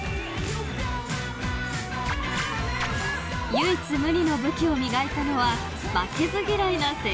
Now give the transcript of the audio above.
［唯一無二の武器を磨いたのは負けず嫌いな性格］